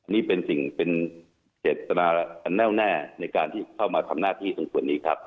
นี่เป็นสิ่งเป็นเจตนาอันแน่วแน่ในการที่เข้ามาทำหน้าที่ตรงส่วนนี้ครับ